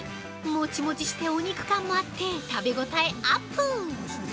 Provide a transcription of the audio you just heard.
もちもちして、お肉感もあって、食べ応えアップ！